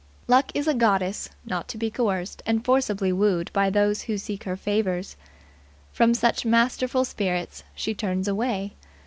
Luck is a goddess not to be coerced and forcibly wooed by those who seek her favours. From such masterful spirits she turns away.